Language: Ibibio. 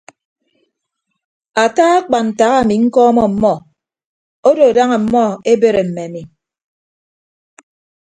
Ata akpan ntak ami ñkọọmmọ ọmmọ odo daña ọmmọ ebere mme ami.